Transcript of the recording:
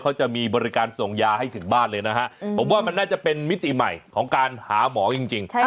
เขาจะมีบริการส่งยาให้ถึงบ้านเลยนะฮะผมว่ามันน่าจะเป็นมิติใหม่ของการหาหมอจริง